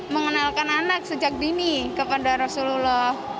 mengenalkan anak sejak dini kepada rasulullah